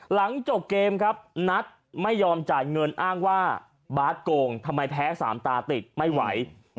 หลังจบเกมครับนัทไม่ยอมจ่ายเงินอ้างว่าบาทโกงทำไมแพ้สามตาติดไม่ไหว